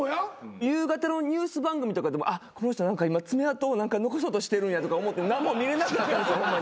夕方のニュース番組とかでもこの人何か今爪痕を残そうとしてるんやとか思って何も見れなくなったんですよホンマに。